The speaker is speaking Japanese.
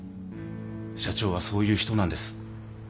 社長はそういう人なんです。